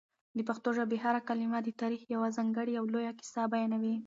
د پښتو ژبې هره کلمه د تاریخ یوه ځانګړې او لویه کیسه بیانوي.